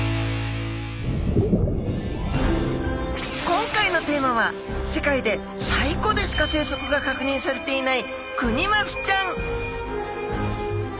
今回のテーマは世界で西湖でしか生息が確認されていないクニマスちゃん